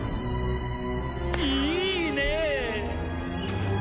いいね！